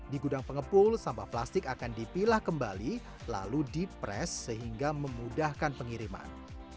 di gudang pengepul sampah plastik akan dipilah kembali lalu di pres sehingga memudahkan pengiriman